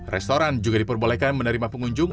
restoran juga diperbolehkan menerima pengunjung